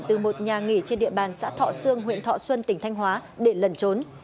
từ một nhà nghỉ trên địa bàn xã thọ sương huyện thọ xuân tỉnh thanh hóa để lẩn trốn